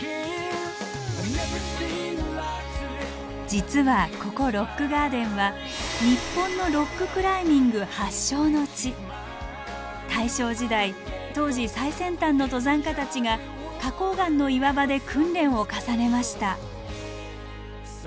実はここロックガーデンは日本の大正時代当時最先端の登山家たちが花こう岩の岩場で訓練を重ねました。